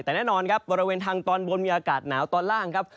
แต่แน่นอนครับบริเวณทางตอนบนมีอากาศหนาวตอนล่างครับ